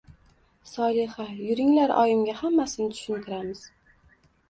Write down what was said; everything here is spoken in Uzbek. Solixa: yuringlar oyimga xammasini tushuntiramiz...